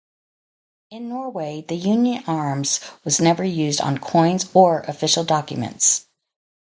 In Norway, the union arms was never used on coins or official documents.